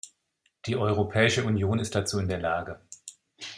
Die Europäische Union ist dazu in der Lage.